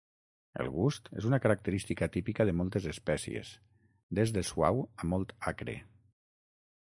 El gust és una característica típica de moltes espècies, des de suau a molt acre.